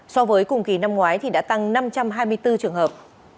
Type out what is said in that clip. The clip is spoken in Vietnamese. so với cùng kỳ năm ngoái thì đã tăng năm trăm hai mươi bốn trường hợp